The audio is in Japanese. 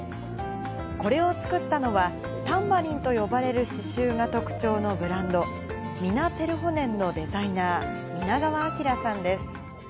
これを作ったのは、タンバリンと呼ばれる刺しゅうが特徴のブランド、ミナペルホネンのデザイナー、皆川明さんです。